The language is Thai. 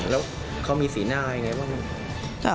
แล้วเขามีสีหน้ายังไงบ้าง